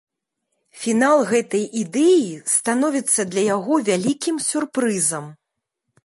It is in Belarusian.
Фінал гэтай ідэі становіцца для яго вялікім сюрпрызам.